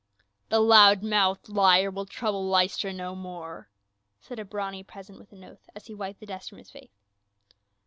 "The loud mouthed liar will trouble Lystra no more !" said a brawny peasant with an oath, as he wiped the dust from his face.